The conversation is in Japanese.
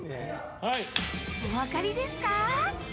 お分かりですか？